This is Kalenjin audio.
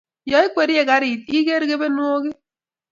Yaikwerie karit, igeer kebenwogik